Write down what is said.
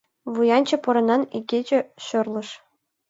Вуянче поранан Игече шӧрлыш.